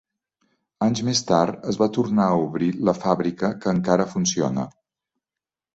Anys més tard es va tornar a obrir la fàbrica, que encara funciona.